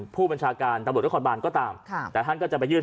ผู้บัญชาการตำรวจนครบานก็ตามค่ะแต่ท่านก็จะไปยื่น